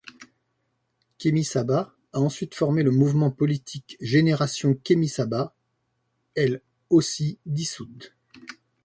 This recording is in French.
Kémi Séba a ensuite formé le mouvement politique Génération Kémi Séba, elle aussi dissoute.